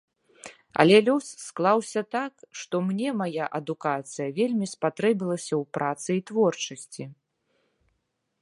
Але лёс склаўся так, што мне мая адукацыя вельмі спатрэбілася ў працы і творчасці.